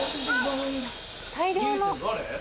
大量の。